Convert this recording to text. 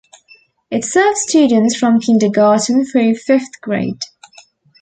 It serves students from Kindergarten through Fifth Grade.